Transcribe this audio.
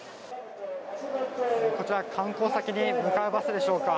こちら観光先に向かうバスでしょうか。